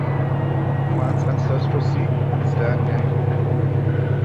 The clan's ancestral seat is Danyang.